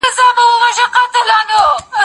زه به اوږده موده انځور ليدلی وم،